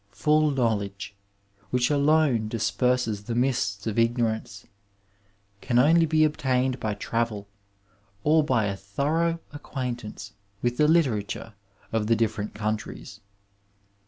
Full knowledge, which alone disperses the mists of ignorance, can only be obtained by travel or by a thorough acquaintance with the literature of the different countries.